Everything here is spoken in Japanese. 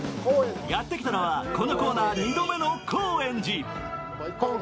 やってきたのはこのコーナー２度目の高円寺。